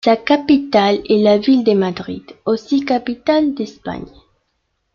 Sa capitale est la ville de Madrid, aussi capitale d'Espagne.